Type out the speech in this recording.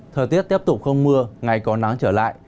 thời tiết tiếp tục không mưa ngày có nắng trở lại